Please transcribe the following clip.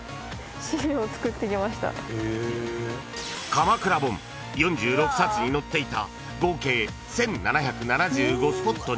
［鎌倉本４６冊に載っていた合計］